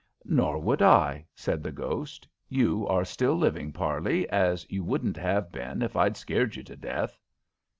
"Nor would I," said the ghost. "You are still living, Parley, as you wouldn't have been if I'd scared you to death."